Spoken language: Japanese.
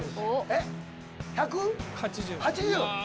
えっ１８０。